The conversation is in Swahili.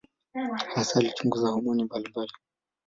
Hasa alichunguza homoni mbalimbali.